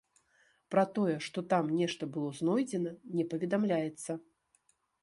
Пра тое, што там нешта было знойдзена, не паведамляецца.